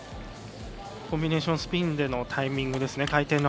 コンビネーションスピンでのタイミングですね。